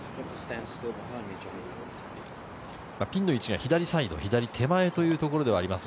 ピンの位置が左サイド、左手前というところです。